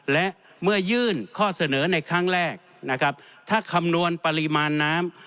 และเมื่อยื่นข้อเสนอในครั้งแรกนะครับถ้าคำนวณปริมาณน้ำ